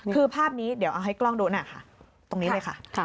คือภาพนี้เดี๋ยวเอาให้กล้องดูหน่อยค่ะตรงนี้เลยค่ะ